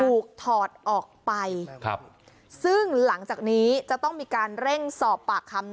ถอดออกไปครับซึ่งหลังจากนี้จะต้องมีการเร่งสอบปากคำ